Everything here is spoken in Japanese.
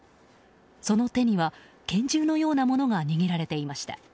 その手には、拳銃のようなものが握られていました。